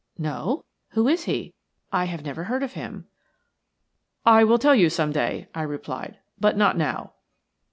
"No. Who is he? I have never heard of him." "I will tell you some day," I replied, "but not now."